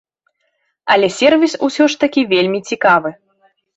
Але сервіс усё ж такі вельмі цікавы.